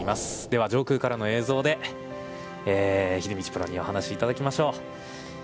では、上空からの映像で秀道プロにお話しいただきましょう。